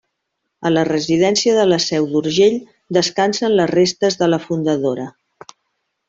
A la residència de la Seu d'Urgell descansen les restes de la fundadora.